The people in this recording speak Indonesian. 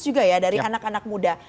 juga ya dari anak anak muda